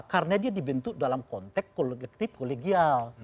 karena dia dibentuk dalam konteks kolektif kolegial